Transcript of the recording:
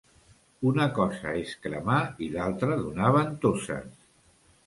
Una cosa és cremar i altra donar ventoses.